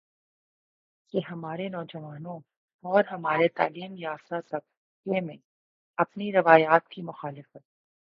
کہ ہمارے نوجوانوں اور ہمارے تعلیم یافتہ طبقہ میں اپنی روایات کی مخالفت